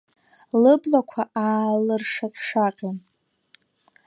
Лыблақәа аалыршаҟь-шаҟьон.